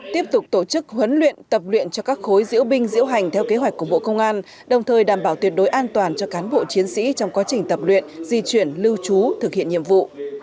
tiếp tục tổ chức huấn luyện tập luyện cho các khối diễu binh diễu hành theo kế hoạch của bộ công an đồng thời đảm bảo tuyệt đối an toàn cho cán bộ chiến sĩ trong quá trình tập luyện di chuyển lưu trú thực hiện nhiệm vụ